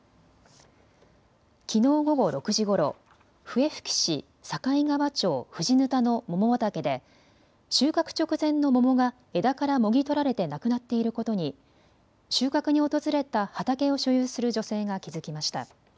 きのう午後６時ごろ笛吹市境川町藤垈の桃畑で収穫直前の桃が枝からもぎ取られてなくなっていることに収穫に訪れた畑を所有する女性が気付きました。